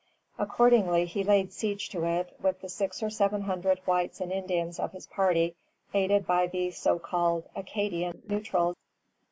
Accordingly, he laid siege to it with the six or seven hundred whites and Indians of his party, aided by the so called Acadian neutrals.